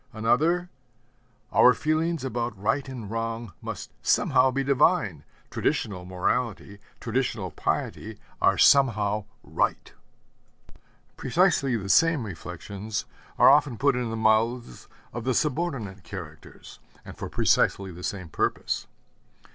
Another, 'Our feelings about right and wrong must somehow be divine; traditional morality, traditional piety, are somehow right.' Precisely the same reflections are often put in the mouths of the subordinate characters, and for precisely the same purpose.